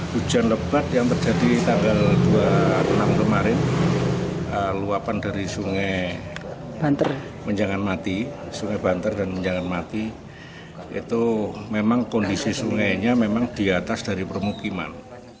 hujan lebat yang terjadi tanggal dua puluh enam kemarin luapan dari sungai menjangan mati sungai banter dan menjangan mati itu memang kondisi sungainya memang di atas dari permukiman